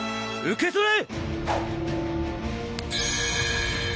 受け取れ！